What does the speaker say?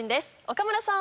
岡村さん！